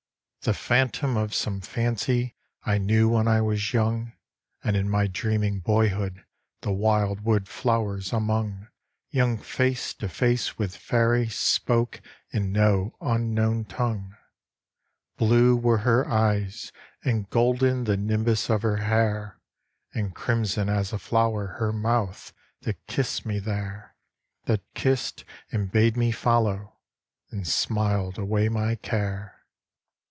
The phantom of some fancy I knew when I was young, And in my dreaming boyhood, The wildwood flow'rs among, Young face to face with Faery Spoke in no unknown tongue. Blue were her eyes, and golden The nimbus of her hair; And crimson as a flower Her mouth that kissed me there; That kissed and bade me follow, And smiled away my care.